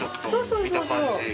そうそう。